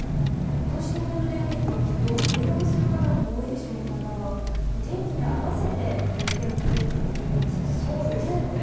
今年のゴールデンウィークはお出かけする方も多いでしょうから天気に合わせて予定を立てるといいかもしれないですね。